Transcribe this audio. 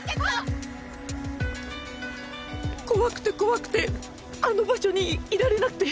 怖くて怖くてあの場所にいられなくて。